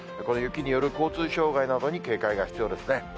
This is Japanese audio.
この雪による交通障害などに警戒が必要ですね。